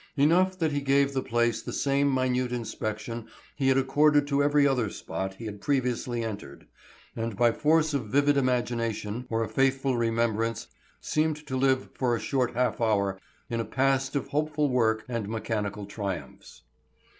Enough that he gave the place the same minute inspection he had accorded to every other spot he had previously entered, and by force of vivid imagination or a faithful remembrance seemed to live for a short half hour in a past of hopeful work and mechanical triumphs.